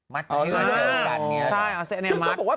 มัดแนะโนมัติแนงมัดใช่เขาบอกว่า